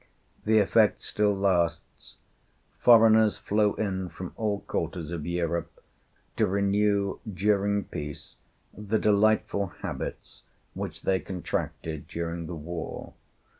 The effect still lasts. Foreigners flow in from all quarters of Europe to renew during peace the delightful habits which they contracted during the war.